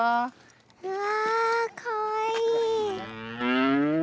うわかわいい。